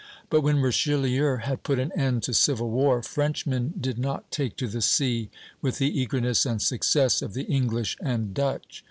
But when Richelieu had put an end to civil war, Frenchmen did not take to the sea with the eagerness and success of the English and Dutch.